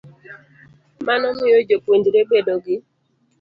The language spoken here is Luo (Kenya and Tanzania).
Mano miyo jopuonjre bedo gi .